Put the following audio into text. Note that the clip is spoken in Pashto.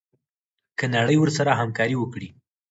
که نړۍ ورسره همکاري وکړي.